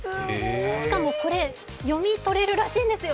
しかもこれ、読み取れるらしいんですよ。